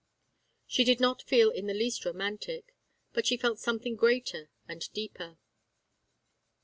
She did not feel in the least romantic, but she felt something greater and deeper.